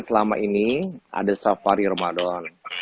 selama ini ada safari ramadan